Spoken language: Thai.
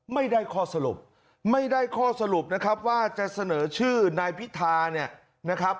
ไม่ได้ข้อสรุปไม่ได้ข้อสรุปนะครับว่าจะเสนอชื่อนายพิธาเนี่ยนะครับ